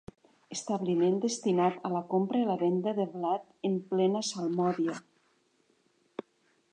Establiment destinat a la compra i la venda de blat en plena salmòdia.